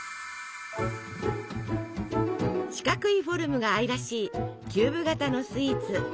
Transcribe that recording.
四角いフォルムが愛らしいキューブ型のスイーツ！